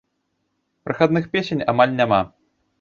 Прахадных песень амаль няма.